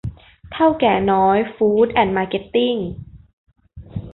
เถ้าแก่น้อย ฟู๊ดแอนด์มาร์เก็ตติ้ง